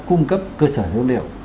cung cấp cơ sở dữ liệu